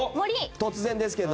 突然ですけど。